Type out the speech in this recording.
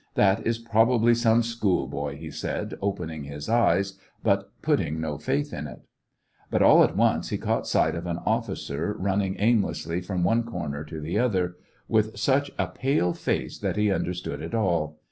"That is probably some school boy," he said, opening his eyes, but putting no faith in it. But all at once he caught sight of an officer running aimlessly from one corner to the other, with such a pale face that he understood it all.